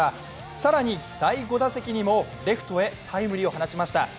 更に第５打席にもレフトへタイムリーを放ちました。